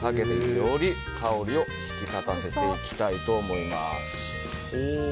より香りを引き立たせていきたいと思います。